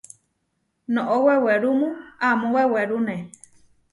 Noʼó wewerúmu amó wewerúne.